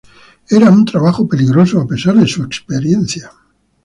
Era un trabajo peligroso a pesar de su experiencia.